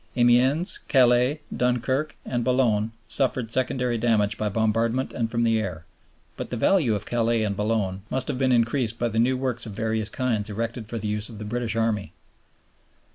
Amiens, Calais, Dunkerque, and Boulogne suffered secondary damage by bombardment and from the air; but the value of Calais and Boulogne must have been increased by the new works of various kinds erected for the use of the British Army.